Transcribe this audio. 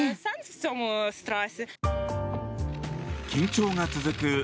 緊張が続く